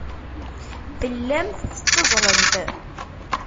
Tellamt tetteẓẓlemt.